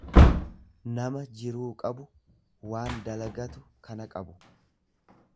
nama jiruu qabu, waan dalagatu kana qabu.